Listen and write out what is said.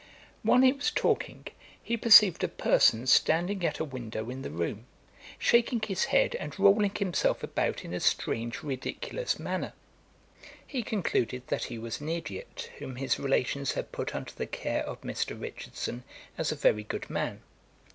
While he was talking, he perceived a person standing at a window in the room, shaking his head, and rolling himself about in a strange ridiculous manner. He concluded that he was an ideot, whom his relations had put under the care of Mr. Richardson, as a very good man.